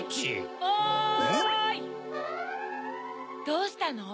どうしたの？